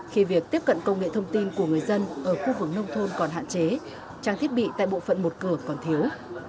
khi việc tiếp cận công nghệ thông tin của người dân ở khu vực nông thôn còn hạn chế trang thiết bị tại bộ phận một cửa còn thiếu